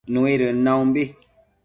nëidën naumbi